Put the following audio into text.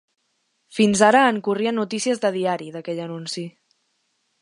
Fins ara en corrien notícies de diari, d’aquell anunci.